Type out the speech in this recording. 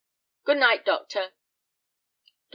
"Good night, doctor." Dr.